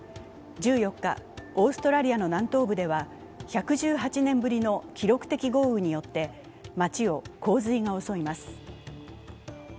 １４日、オーストラリアの南東部では１１８年ぶり記録的豪雨によって街を洪水が襲います。